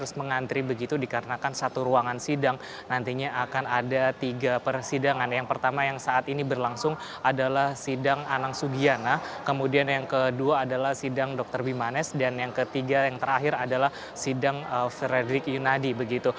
sedang anang sugiana kemudian yang kedua adalah sidang dr bimanes dan yang ketiga yang terakhir adalah sidang fredri yunadi